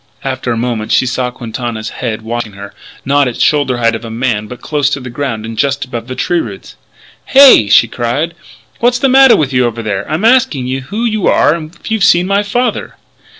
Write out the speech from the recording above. After a moment she saw Quintana's head watching her, not at the shoulder height of a man but close to the ground and just above the tree roots. "Hey!" she cried. "What's the matter with you over there? I'm asking you who you are and if you've seen my father?"